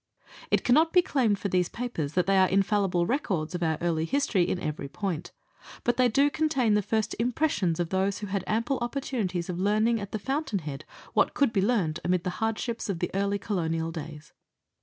It cannot be claimed for these papers that they are infallible records of our early history in every point, but they do contain the first impressions of those who had ample opportunities of learning at the fountain head what could be learnt amid the hardships of early colonial days.